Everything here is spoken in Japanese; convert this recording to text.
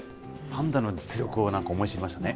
パンダの実力を思い知りましたね。